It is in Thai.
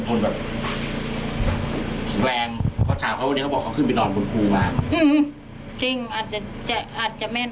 แปลงก็ถามเขาว่าเขาขึ้นไปนอนบนครูมาอาจจะแม่น